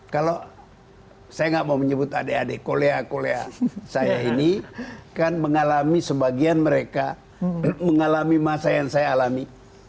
kalau saya nggak mau menyebut adik adik kolea kolea saya ini kan mengalami sebagian mereka mengalami masa yang saya alami